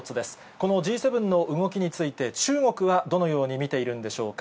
このＧ７の動きについて、中国はどのように見ているんでしょうか。